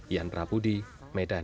ian prabudi medan